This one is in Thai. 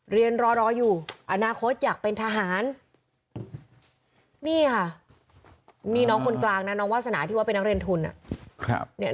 เรียนรออยู่อนาคตอยากเป็นทหารนี่ค่ะนี่น้องคนกลางนะน้องวาสนาที่ว่าเป็นนักเรียนทุน